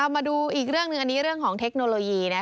มาดูอีกเรื่องหนึ่งอันนี้เรื่องของเทคโนโลยี